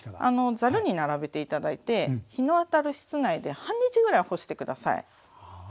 ざるに並べて頂いて日の当たる室内で半日ぐらい干して下さい。